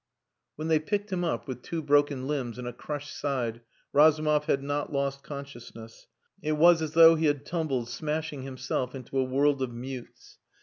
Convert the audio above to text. When they picked him up, with two broken limbs and a crushed side, Razumov had not lost consciousness. It was as though he had tumbled, smashing himself, into a world of mutes.